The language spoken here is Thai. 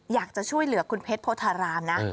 อยากจะช่วยเหลือคุณเพชรโพธารามนะ